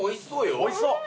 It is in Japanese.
おいしそう！